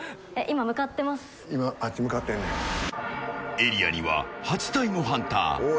エリアには８体のハンター。